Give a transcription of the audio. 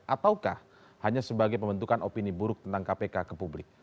ataukah hanya sebagai pembentukan opini buruk tentang kpk ke publik